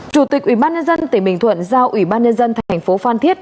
chủ tịch ủy ban nhân dân tỉnh bình thuận giao ủy ban nhân dân thành phố phan thiết